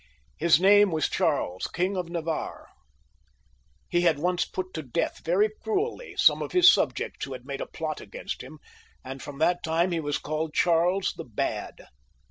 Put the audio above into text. His name was Charles, King of Navarre. He had once put to death, very cruelly, some of his subjects, who had made a plot against him, and from that time he was called Charles the Bad.